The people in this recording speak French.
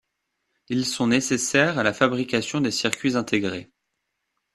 Ils sont nécessaires à la fabrication des circuits intégrés.